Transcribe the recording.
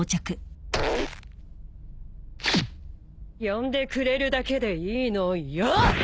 呼んでくれるだけでいいのよ！